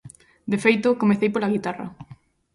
De feito, comecei pola guitarra.